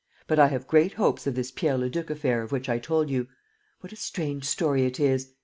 But I have great hopes of this Pierre Leduc affair of which I told you. What a strange story it is!